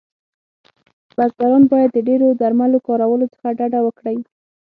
بزګران باید د ډیرو درملو کارولو څخه ډډه وکړی